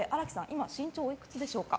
今、身長おいくつでしょうか。